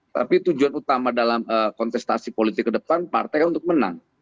tapi tujuan utama dalam kontestasi politik ke depan partai untuk menang